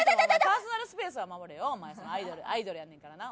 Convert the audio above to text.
パーソナルスペースは守れよお前アイドルやねんからな。